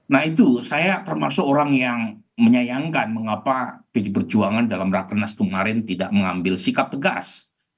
nah itu saya termasuk orang yang menyayangkan mengapa pdi perjuangan dalam rakernas kemarin tidak mengambil sikap tegas